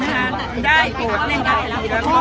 ใช่นะครับได้โปรดได้ครับ